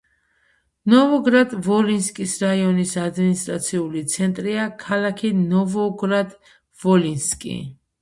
ნოვოგრად-ვოლინსკის რაიონის ადმინისტრაციული ცენტრია ქალაქი ნოვოგრად-ვოლინსკი.